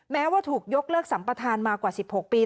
แม้ว่าถูกยกเลิกสัมปทานมากว่า๑๖ปี